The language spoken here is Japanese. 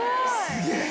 すげえ！